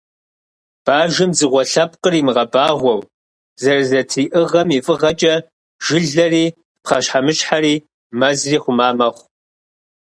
Бажэм дзыгъуэ лъэпкъыр имыгъэбагъуэу зэрызэтриӏыгъэм и фӏыгъэкӏэ, жылэри, пхъэщхьэмыщхьэри, мэзри хъума мэхъу.